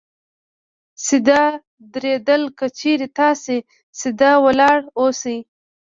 سیده درېدل : که چېرې تاسې سیده ولاړ اوسئ